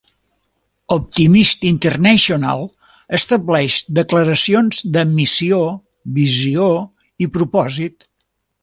Optimist International estableix declaracions de missió, visió i propòsit.